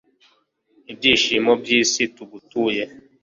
ibyishimo by'isi, tugutuye